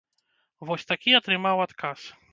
Вось такі атрымаў адказ.